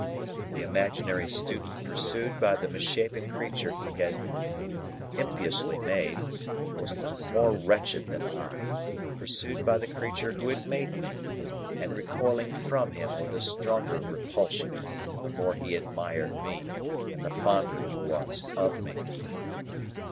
The imaginary student pursued by the misshapen creature he had impiously made, was not more wretched than I, pursued by the creature who had made me, and recoiling from him with a stronger repulsion, the more he admired me and the fonder he was of me.